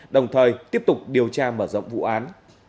đồng thời tiếp tục điều tra mở rộng vụ án